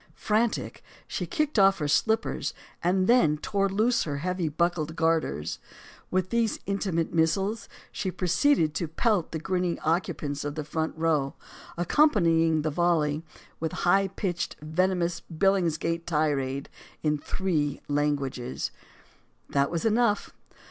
Frantic, she kicked off her slippers, and then tore loose her heavy buckled garters. With these intimate missiles she proceeded to pelt the grinning occupants of the front row, accompanying the volley with a high pitched, venomous Billingsgate tirade in three languages. That was enough.